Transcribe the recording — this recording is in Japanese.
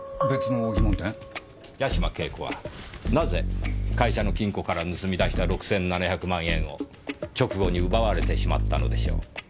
八島景子はなぜ会社の金庫から盗み出した６７００万円を直後に奪われてしまったのでしょう。